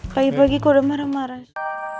pagi pagi kok udah marah marah